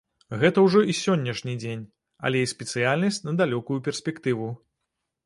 Гэта ўжо і сённяшні дзень, але і спецыяльнасць на далёкую перспектыву.